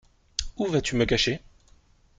Où vas-tu me cacher ?